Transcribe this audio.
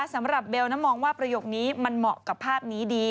สำหรับเบลมองว่าประโยคนี้มันเหมาะกับภาพนี้ดี